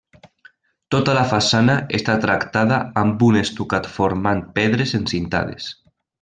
Tota la façana està tractada amb un estucat formant pedres encintades.